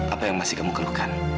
apa yang masih kamu keluhkan